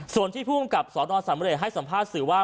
ส่วนที่ภูมิกับสนสำเรกให้สัมภาษณ์สื่อว่า